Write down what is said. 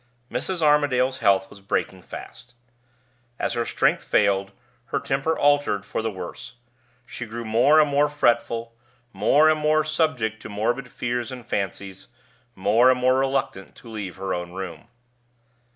Mrs. Armadale's health was breaking fast. As her strength failed, her temper altered for the worse: she grew more and more fretful, more and more subject to morbid fears and fancies, more and more reluctant to leave her own room.